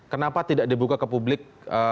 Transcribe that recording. kenapa tidak dibuka ke publik